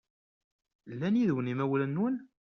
Llan yid-wen yimawlan-nwen?